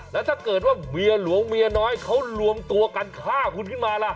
แล้วถ้าเกิดว่าเมียหลวงเมียน้อยเขารวมตัวกันฆ่าคุณขึ้นมาล่ะ